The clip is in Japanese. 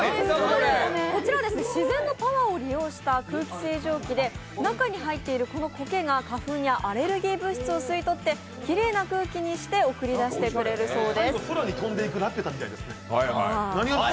こちらは自然のパワーを利用した空気清浄機で中に入っているこのコケが花粉やアレルギー物質を吸い取ってきれいな空気にして送り出してくれるそうです。